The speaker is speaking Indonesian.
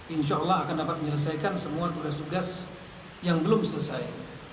insya allah akan dapat menyelesaikan semua tugas tugas yang belum selesai